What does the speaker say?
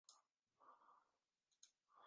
Prefiere el sol pleno, aunque soporta la semisombra.